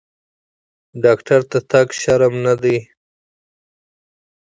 ډاکټر ته تګ شرم نه دی۔